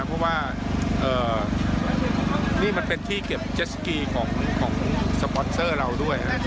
เพราะว่านี่มันเป็นที่เก็บเจสกีของสปอนเซอร์เราด้วย